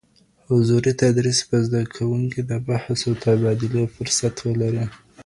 حضوري تدريس به زده کوونکي د بحث او تبادلې فرصت ولري.